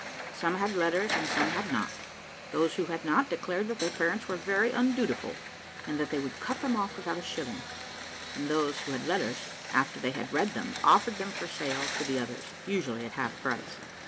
Some had letters and some had not. Those who had not, declared that their parents were very undutiful, and that they would cut them off with a shilling; and those who had letters, after they had read them, offered them for sale to the others, usually at half price.